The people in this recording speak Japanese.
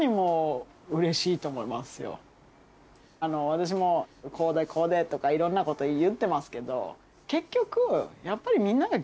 私もこうでこうでとかいろんなこと言ってますけど結局やっぱり。